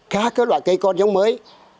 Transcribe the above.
các loại cây con giống mới